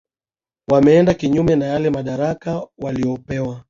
wameenda kinyume na yale madaraka waliopewa